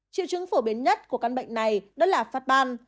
triệu chứng phổ biến nhất của căn bệnh này đó là phát ban